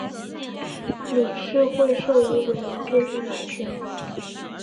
理事会授予委员会立法权。